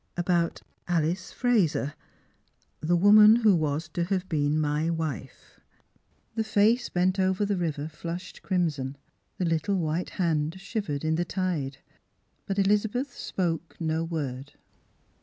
About AHce Eraser, the woman who was to have been my wife." The face bent over the river flushed crimson, the little whito hand shivered in the tide ; but Elizabeth spoke no word.